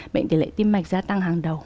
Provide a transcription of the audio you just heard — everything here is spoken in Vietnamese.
bệnh tỷ lệ tim mạch gia tăng hàng đầu